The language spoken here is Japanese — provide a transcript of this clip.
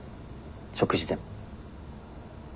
食事でも。